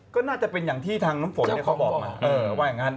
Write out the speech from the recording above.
ก็น่าจะเป็นอย่างที่ทางน้ำฝนเขาบอกมาว่าอย่างนั้น